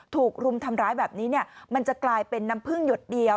ถูกรุมทำร้ายแบบนี้มันจะกลายเป็นน้ำพึ่งหยดเดียว